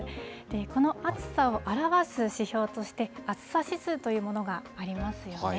この暑さを表す指標として、暑さ指数というものがありますよね。